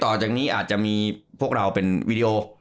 ต่อจากนี้อาจจะมีพวกเราเป็นวีดีโอ